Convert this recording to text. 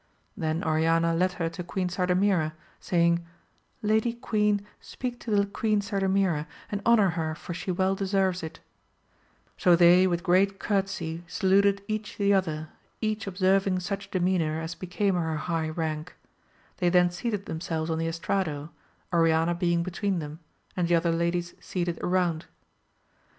Then Oriana led her to Queen Sardamira, saying, Lady queen speak to the Queen Sardamira, and honour her for she well deserves it ; so they with great courtesy saluted each the other, each observing such demeanour as became her high rank ; they then seated themselves on the estrado, Oriana being between them, and the other ladies seated around.